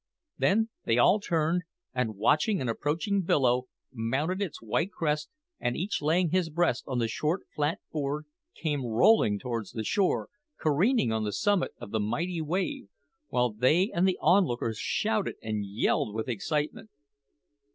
Then they all turned, and watching an approaching billow, mounted its white crest, and each laying his breast on the short, flat board, came rolling towards the shore, careering on the summit of the mighty wave, while they and the onlookers shouted and yelled with excitement.